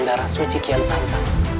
darah suci kian santan